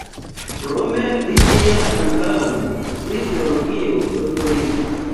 Krome li tiam ankaŭ pri teologio doktoriĝis.